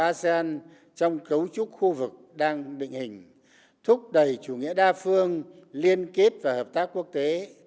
asean trong cấu trúc khu vực đang định hình thúc đẩy chủ nghĩa đa phương liên kết và hợp tác quốc tế